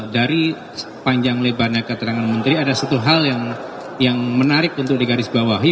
dari sepanjang lebarnya keterangan menteri ada satu hal yang menarik untuk digarisbawahi